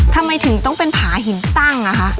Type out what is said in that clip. ทำไมถึงต้องเป็นผาหินตั้งอะคะ